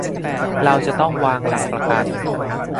เราจะต้องวางหลักประกัน